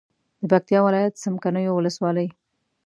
د پکتیا ولایت څمکنیو ولسوالي